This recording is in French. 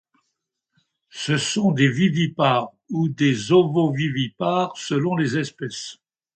Ce sont des vivipares ou des ovovivipares selon les espèces.